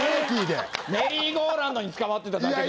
メリーゴーラウンドにつかまってただけです。